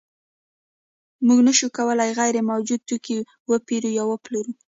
موږ نشو کولی چې غیر موجود توکی وپېرو یا وپلورو